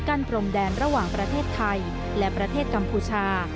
พรมแดนระหว่างประเทศไทยและประเทศกัมพูชา